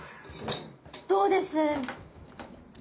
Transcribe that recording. どうです？